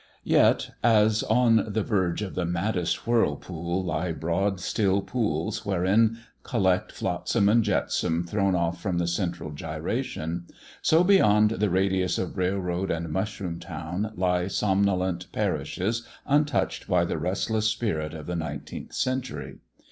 Yet, as on the verge of the maddest whirlpool lie broad still pools wherein collect flotsam and jetsam thrown off from the central gyration, so beyond the radius of railroad and mushroom town lie somnolent parishes untouched by the restless spirit of the nineteenth century.